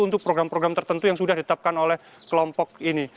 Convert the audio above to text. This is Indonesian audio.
untuk program program tertentu yang sudah ditetapkan oleh kelompok ini